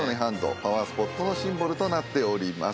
パワースポットのシンボルとなっております。